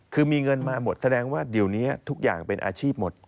คือมีเงินมาหมดแสดงว่าเดี๋ยวนี้ทุกอย่างเป็นอาชีพหมด